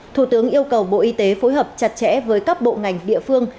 thủ tướng yêu cầu bộ y tế phối hợp chặt chẽ với các bộ ngành địa phương